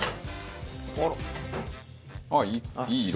あっいいいい色。